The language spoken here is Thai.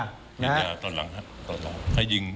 ฉีดยาตอนหลังครับตอนหลัง